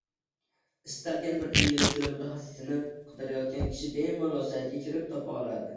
Istalgan bir ingliz tili mutaxassisini qidirayotgan kishi bemalol saytga kirib, topa oladi.